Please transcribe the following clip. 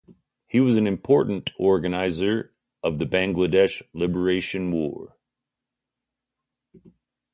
He was an important organizer of the Bangladesh Liberation war.